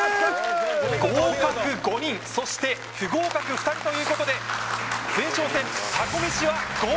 合格５人そして不合格２人ということで前哨戦たこ